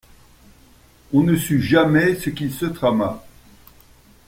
On ne sut jamais ce qu’il se trama.